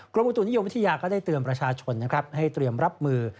อุตุนิยมวิทยาก็ได้เตือนประชาชนนะครับให้เตรียมรับมือ